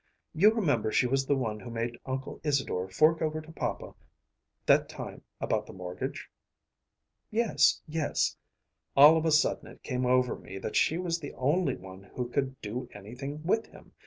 You remember she was the one who made Uncle Isadore fork over to papa that time about the mortgage?" "Yes, yes." "All of a sudden it came over me that she was the only one who could do anything with him.